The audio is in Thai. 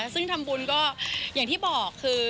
ซึ่งทำบุญก็อย่างที่บอกคือ